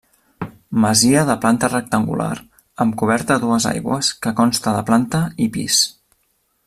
Masia de planta rectangular, amb coberta a dues aigües, que consta de planta i pis.